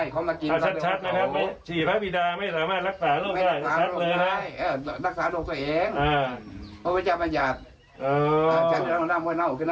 ก็ไม่รู้ว่าเป็นลูกหนังฝันฝันล่ะเดี๋ยวไม่ถูกนะฝัน